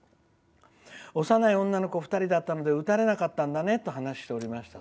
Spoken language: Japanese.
「幼い女の子２人だったので撃たれなかったんだねと話していました」。